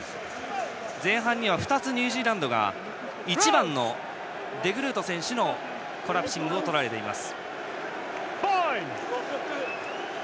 前半には２つニュージーランドが１番のデグルート選手のコラプシングをとられています。